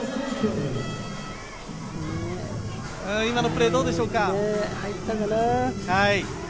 今のプレーどうでしょうか？